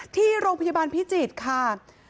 ที่โรงพยาบาลพิจิตรค่ะ